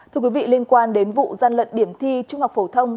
thưa quý vị liên quan đến vụ gian lận điểm thi trung học phổ thông